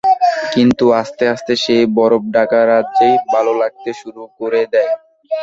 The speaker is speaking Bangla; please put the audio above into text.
কিন্তু আস্তে আস্তে সেই বরফঢাকা রাজ্যই ভালো লাগতে শুরু করে দেয়।